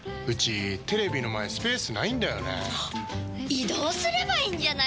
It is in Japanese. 移動すればいいんじゃないですか？